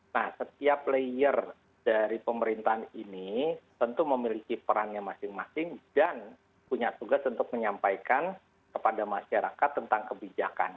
nah setiap layer dari pemerintahan ini tentu memiliki perannya masing masing dan punya tugas untuk menyampaikan kepada masyarakat tentang kebijakan